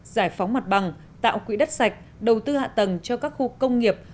giải phóng mặt bằng tạo quỹ đất sạch đầu tư hạ tầng cho các khu công nghiệp